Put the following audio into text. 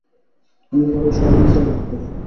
আমি বড়ই শরমিন্দা বোধ করি।